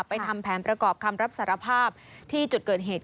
ทำแผนประกอบคำรับสารภาพที่จุดเกิดเหตุ